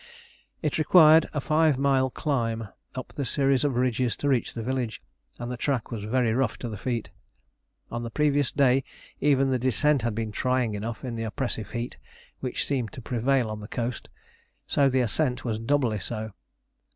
It required a five mile climb up the series of ridges to reach the village, and the track was very rough to the feet. On the previous day even the descent had been trying enough in the oppressive heat which seemed to prevail on the coast; so the ascent was doubly so.